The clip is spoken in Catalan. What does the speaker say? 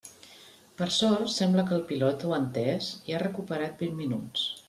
Per sort sembla que el pilot ho ha entès i ha recuperat vint minuts.